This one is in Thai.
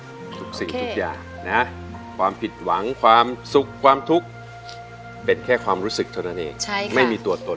ทุกสิ่งทุกอย่างนะความผิดหวังความสุขความทุกข์เป็นแค่ความรู้สึกเท่านั้นเองใช่ค่ะไม่มีตัวตน